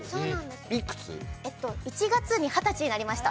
１月に二十歳になりました。